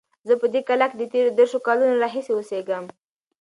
زه په دې کلا کې د تېرو دېرشو کلونو راهیسې اوسیږم.